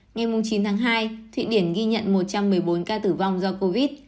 ngay mùng chín tháng hai thụy điển ghi nhận một trăm một mươi bốn ca tử vong do covid